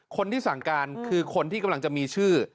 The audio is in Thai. คนที่สั่งการคือคนที่กำลังจะมีชื่อ